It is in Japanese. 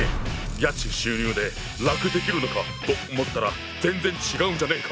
家賃収入で楽できるのかと思ったら全然違うじゃねえか！